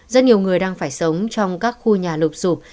rất nhiều người đang phải sống trong các khu nhà lộp rụp